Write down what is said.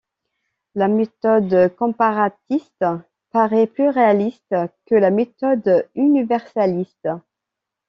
La méthode comparatiste paraît plus réaliste que la méthode universaliste.